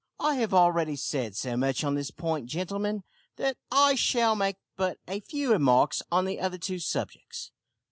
"I have already said so much on this point gentlemen, that I shall make but a few remarks on the other two subjects.